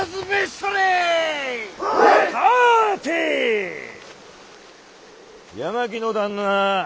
さて八巻の旦那